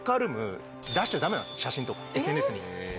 写真とかＳＮＳに。